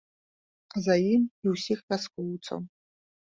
А за ім і ўсіх вяскоўцаў.